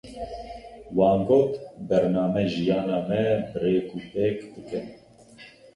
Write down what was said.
Wan got, bername jiyana me bi rêk û pêk dike.